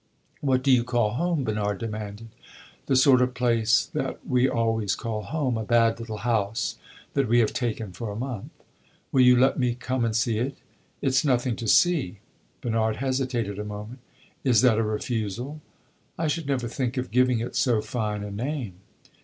"What do you call home?" Bernard demanded. "The sort of place that we always call home; a bad little house that we have taken for a month." "Will you let me come and see it?" "It 's nothing to see." Bernard hesitated a moment. "Is that a refusal?" "I should never think of giving it so fine a name."